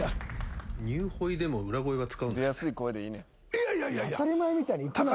いやいやいや。